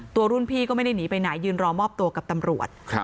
รุ่นพี่ก็ไม่ได้หนีไปไหนยืนรอมอบตัวกับตำรวจ